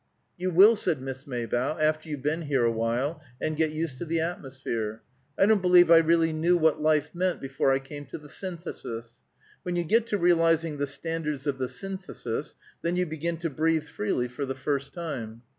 "You will," said Miss Maybough, "after you've been here awhile, and get used to the atmosphere. I don't believe I really knew what life meant before I came to the Synthesis. When you get to realizing the standards of the Synthesis, then you begin to breathe freely for the first time.